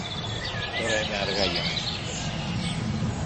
Τώρα είναι αργά για να ξυπνήσει.